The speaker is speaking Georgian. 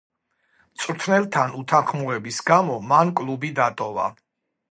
მწვრთნელთან უთანხმოების გამო მან კლუბი დატოვა.